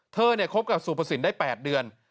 คบกับสุภสินได้๘เดือน